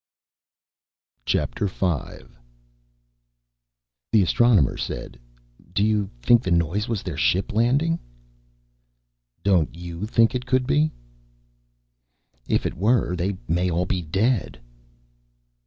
V The Astronomer said, "You think the noise was their ship landing?" "Don't you think it could be?" "If it were, they may all be dead."